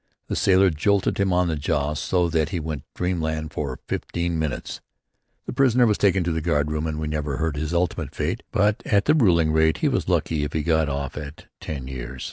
The sailor jolted him in the jaw so that he went to dreamland for fifteen minutes. The prisoner was taken to the guardroom and we never heard his ultimate fate, but at the ruling rate he was lucky if he got off with ten years.